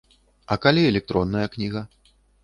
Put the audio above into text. А калі электронная кніга?